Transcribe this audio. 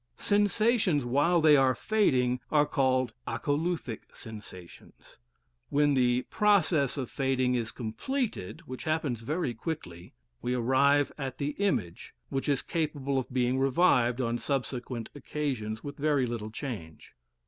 Sensations while they are fading are called "akoluthic" sensations.* When the process of fading is completed (which happens very quickly), we arrive at the image, which is capable of being revived on subsequent occasions with very little change.